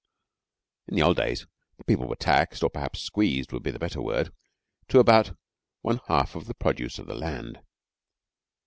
In the old days the people were taxed, or perhaps squeezed would be the better word, to about one half of the produce of the land.